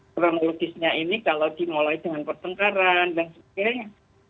kronologisnya ini kalau dimulai dengan pertengkaran dan sebagainya